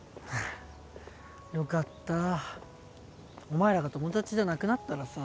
お前らが友達じゃなくなったらさ。